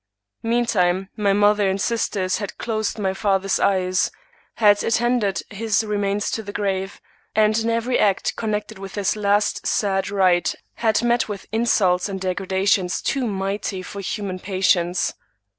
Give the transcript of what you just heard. Meantime my mother and sisters had closed my father's eyes ; had attended his remains to the grave ; and in every act connected with this last sad rite had met with insults and degradations too mighty for human patience.